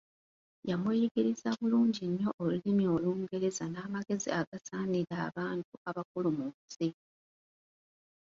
Yamuyigiriza bulungi nnyo olulimi Olungereza n'amagezi agasaanira abantu abakulu mu nsi.